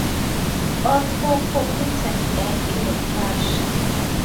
All four occupants died in the crash.